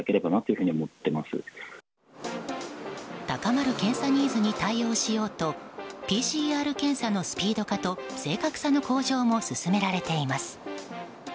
高まる検査ニーズに対応しようとＰＣＲ検査のスピード化と正確さの向上も進められています。